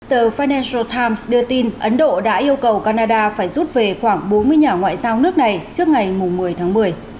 tờ financial times đưa tin ấn độ đã yêu cầu canada phải rút về khoảng bốn mươi nhà ngoại giao nước này trước ngày một mươi tháng một mươi